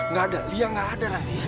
nggak ada lia gak ada ranti